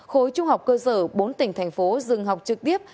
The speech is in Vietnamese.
khối trung học cơ sở bốn tỉnh thành phố dừng học trực tiếp